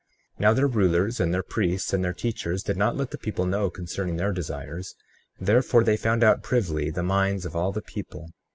35:5 Now their rulers and their priests and their teachers did not let the people know concerning their desires; therefore they found out privily the minds of all the people.